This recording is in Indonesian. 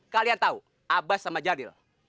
kalian tahu abbas sama jadil